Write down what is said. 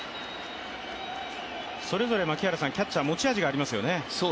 それぞれ、キャッチャー持ち味がありますよね。